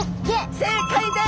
正解です。